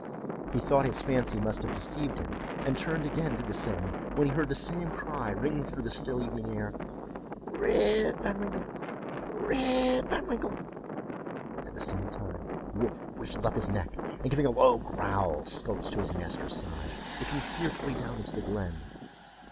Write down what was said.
He thought his fancy must have deceived him, and turned again to descend, when he heard the same cry ring through the still evening air: "Rip Van Winkle! Rip Van Winkle!"—at the same time Wolf bristled up his back, and giving a low growl, skulked to his master's side, looking fearfully down into the glen.